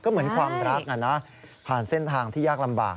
ก็เหมือนความรักผ่านเส้นทางที่ยากลำบาก